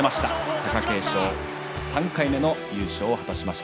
貴景勝３回目の優勝を果たしました。